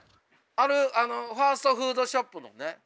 あるファストフードショップのね